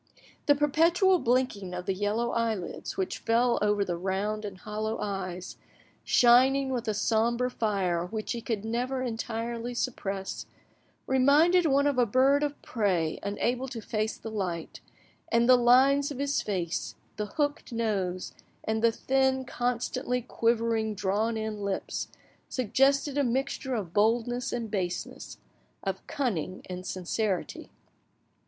The perpetual blinking of the yellow eyelids which fell over the round and hollow eyes, shining with a sombre fire which he could never entirely suppress, reminded one of a bird of prey unable to face the light, and the lines of his face, the hooked nose, and the thin, constantly quivering, drawn in lips suggested a mixture of boldness and baseness, of cunning and sincerity.